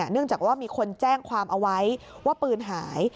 เนื่องจากว่ามีคนแจ้งความเอาไว้ว่าปืนหาย